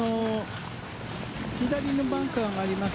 左のバンカーもあります。